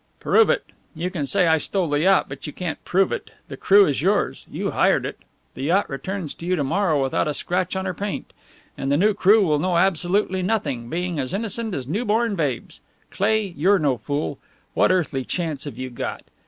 "Prove it! You can say I stole the yacht, but you can't prove it. The crew is yours; you hired it. The yacht returns to you to morrow without a scratch on her paint. And the new crew will know absolutely nothing, being as innocent as newborn babes. Cleigh, you're no fool. What earthly chance have you got?